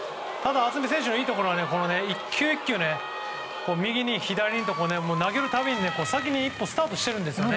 渥美選手のいいところは１球１球右に左にと投げるたびに先に一歩スタートしているんですね。